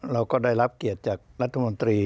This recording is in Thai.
เราก็ได้รับเกียรติจากรัฐมนตรี